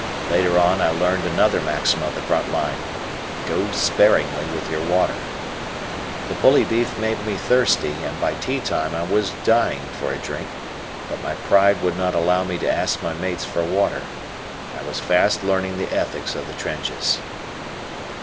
Later on I learned another maxim of the front line, "Go sparingly with your water." The bully beef made me thirsty, and by tea time I was dying for a drink, but my pride would not allow me to ask my mates for water. I was fast learning the ethics of the trenches.